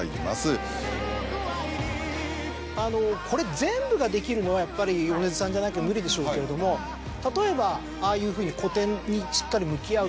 これ全部ができるのはやっぱり米津さんじゃなきゃ無理でしょうけれども例えばああいうふうにしっかり。